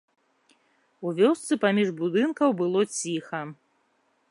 У вёсцы паміж будынкаў было ціха.